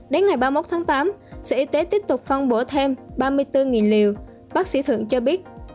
đến ngày ba mươi một tháng tám sở y tế tiếp tục phân bổ thêm ba mươi bốn liều bác sĩ thượng cho biết